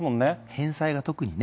返済が特にね。